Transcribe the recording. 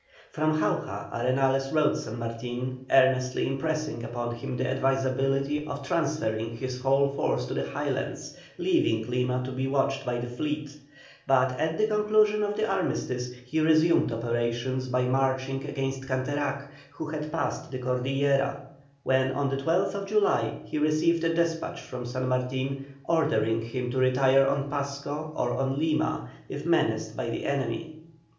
From Jauja Arenales wrote San Martin, earnestly impressing upon him the advisability of transferring his whole force to the Highlands, leaving Lima to be watched by the fleet, but at the conclusion of the armistice he resumed operations by marching against Canterac, who had passed the Cordillera, when, on the 12th July, he received a despatch from San Martin, ordering him to retire on Pasco or on Lima, if menaced by the enemy.